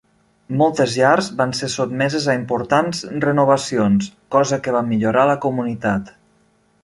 Moltes llars van ser sotmeses a importants renovacions, cosa que va millorar la comunitat.